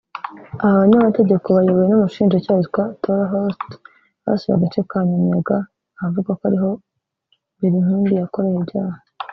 Aba banyamategeko bayobowe n’umushinjacyaha witwa Tora Holst basuye agace ka Nyamiyaga ahavugwa ko ariho Berinkindi yakoreye ibyaha